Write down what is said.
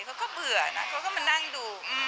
เบื่อนะเขาก็มานั่งดู